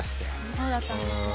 そうだったんですよね。